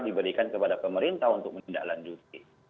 diberikan kepada pemerintah untuk menindaklanjuti